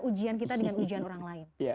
ujian kita dengan ujian orang lain